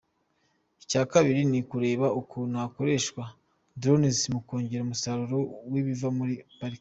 Icya kabiri ni ukureba ukuntu hakoreshwa drones mu kongera umusasuro w’ibiva muri pariki.